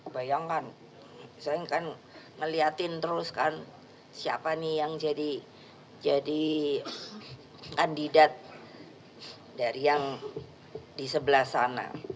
bayangkan saya kan ngeliatin terus kan siapa nih yang jadi kandidat dari yang di sebelah sana